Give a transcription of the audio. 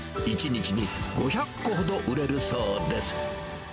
１日に５００個ほど売れるそうです。